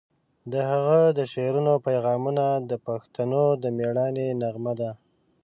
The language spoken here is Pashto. د هغه د شعرونو پیغامونه د پښتنو د میړانې نغمه ده.